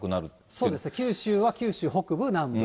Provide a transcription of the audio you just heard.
そうですね、九州は九州北部、南部。